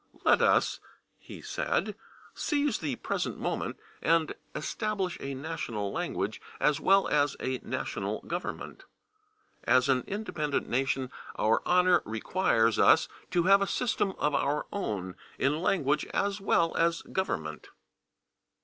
"Let us," he said, "seize the present moment, and establish a national language as well as a national government.... As an independent nation our honor requires [Pg037] us to have a system of our own, in language as well as government."